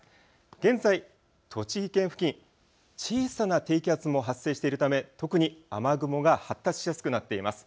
現在、栃木県付近、小さな低気圧も発生しているため特に雨雲が発達しやすくなっています。